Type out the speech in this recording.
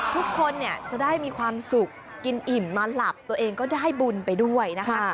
ทุกคนเนี่ยจะได้มีความสุขกินอิ่มมาหลับตัวเองก็ได้บุญไปด้วยนะคะ